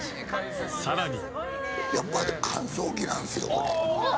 更に。